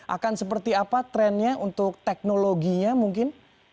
akan seperti apa trennya untuk teknologinya mungkin